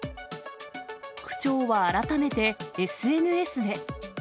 区長は改めて、ＳＮＳで。